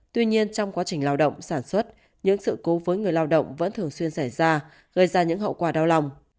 tuy nhiên trong quá trình lao động sản xuất những sự cố với người lao động vẫn thường xuyên xảy ra gây ra những hậu quả đau lòng